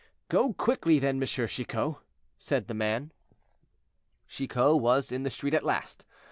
"Go quickly then, M. Chicot," said the man. Chicot was in the street at last.